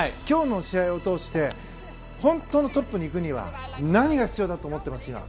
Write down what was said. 今日の試合を通して本当のトップに行くには何が必要だと思っています？